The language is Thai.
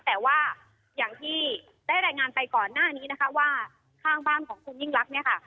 แต่ว่าอย่างที่ได้รายงานไปก่อนหน้านี้นะคะว่าข้างบ้านของคุณยิ่งรักเนี่ยค่ะ